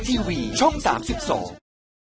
ก้าวเกอร์เซปล่อยชู้ตู้เจ้าของเรา